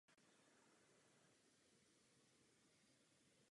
Jeho zdravotní stav se po tomto incidentu zhoršoval a vedl k jeho předčasné smrti.